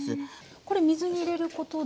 これ水に入れることで。